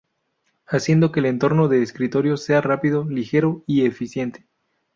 Haciendo que el entorno de escritorio sea rápido, ligero y eficiente.